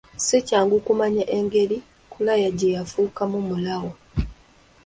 Si kyangu kumanya ngeri kulaya gye kyafuukamu mulawa.